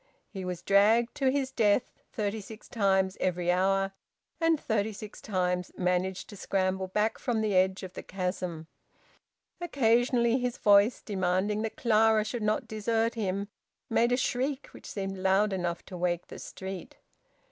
He was dragged to his death thirty six times every hour, and thirty six times managed to scramble back from the edge of the chasm. Occasionally his voice, demanding that Clara should not desert him, made a shriek which seemed loud enough to wake the street.